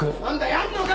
やんのか？